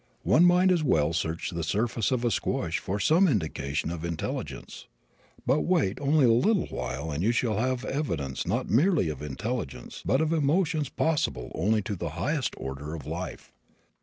One might as well search the surface of a squash for some indication of intelligence. But wait only a little while and you shall have evidence not merely of intelligence but of emotions possible only to the highest order of life.